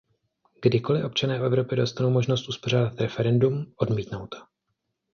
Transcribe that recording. Kdykoli občané Evropy dostanou možnost uspořádat referendum, odmítnou to.